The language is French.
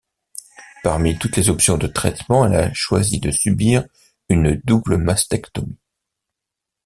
Parmi toutes les options de traitement, elle a choisi de subir une double mastectomie.